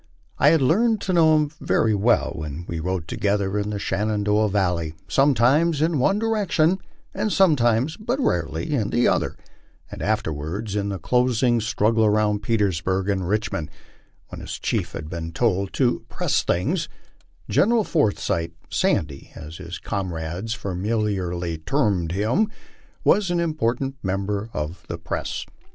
I had learned to know him well when we rode together in the Shenandoah valley, some times in one direction and sometimes, but rarely, in the other; and afterwards, in the closing struggle around Petersburg and Richmond, when his chief had been told to "press things," General Forsyth, "Sandy" as his comrades famil iarly termed him, was an important member of the " press."